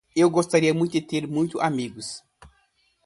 Eu gostaria muito de ter muitos amigos